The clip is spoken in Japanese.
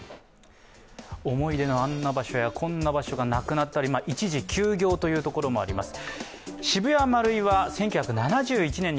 思い出のあんな場所やこんな場所がなくなったり、一時休業というところもあります。